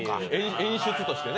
演出としてね。